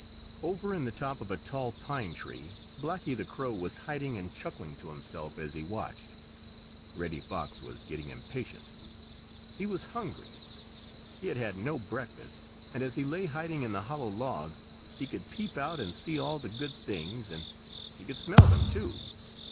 Over in the top of a tall pine tree Blacky the Crow was hiding and chuckling to himself as he watched. Reddy Fox was getting impatient. He was hungry. He had had no breakfast, and as he lay hiding in the hollow log, he could peep out and see all the good things, and he could smell them, too.